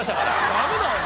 ダメだよ。